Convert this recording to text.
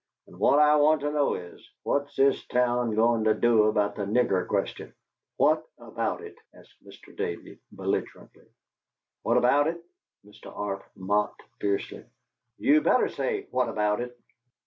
And what I want to know is, What's this town goin' to do about the nigger question?" "What about it?" asked Mr. Davey, belligerently. "What about it?" Mr. Arp mocked, fiercely. "You better say, 'What about it?'"